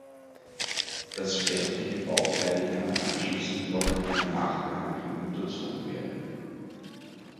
Das fertige Bauteil kann anschließend noch einer Nachbehandlung unterzogen werden.